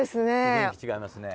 雰囲気違いますね。